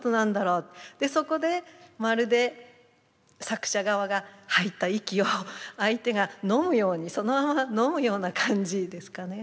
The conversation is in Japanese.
そこでまるで作者側が吐いた息を相手がのむようにそのままのむような感じですかね。